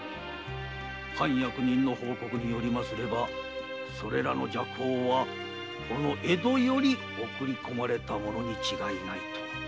藩役人の報告によればそれらの麝香はこの江戸より送り込まれたものに違いないと。